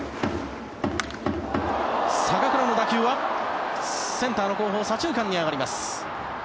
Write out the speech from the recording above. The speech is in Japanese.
坂倉の打球はセンターの後方左中間に上がります。